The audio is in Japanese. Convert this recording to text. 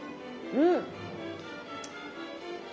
うん！